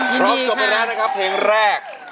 จบไปแล้วนะครับเพลงแรก